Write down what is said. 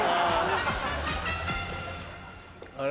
あれ？